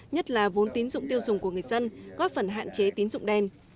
nhất là vốn tín dụng tiêu dùng của người dân góp phần hạn chế tín dụng đen